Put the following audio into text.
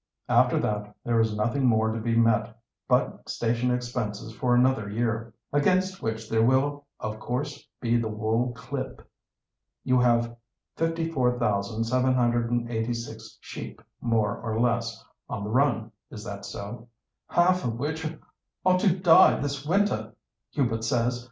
"After that, there is nothing more to be met but station expenses for another year, against which there will, of course, be the wool clip. You have 54,786 sheep, more or less, on the run. Is that so?" "Half of which are to die this winter, Hubert says.